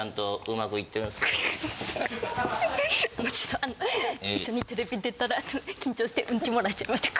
ちょっと一緒にテレビ出たら緊張してウンチ漏らしちゃいました。